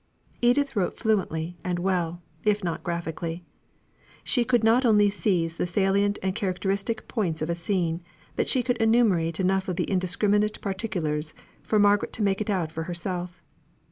Edith wrote fluently and well, if not graphically. She could not only seize the salient and characteristic points of a scene, but she could enumerate enough of indiscriminate particular for Margaret to make it out for herself.